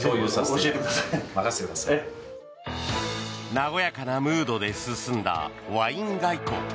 和やかなムードで進んだワイン外交。